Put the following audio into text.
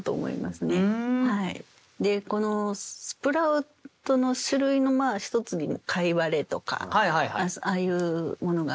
このスプラウトの種類の一つにかいわれとかああいうものがあります。